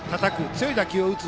強い打球を打つ。